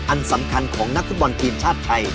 อันสำคัญของนักฟุตบอลทีมชาติไทย